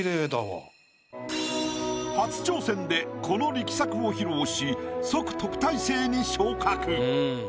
初挑戦でこの力作を披露し即特待生に昇格。